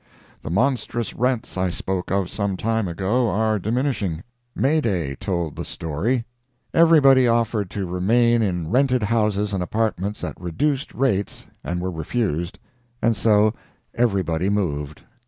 The monstrous rents I spoke of some time ago are diminishing. Mayday told the story. Everybody offered to remain in rented houses and apartments at reduced rates, and were refused—and so everybody moved.